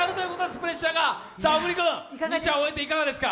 プレッシャーが、小栗君２射終えていかがですか？